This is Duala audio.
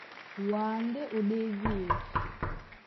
Wǎ ndé ó ɗédi e.